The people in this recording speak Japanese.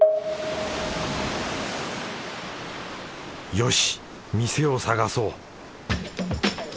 よし店を探そう！